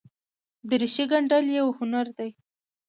دریشي ګنډل یوه هنر دی.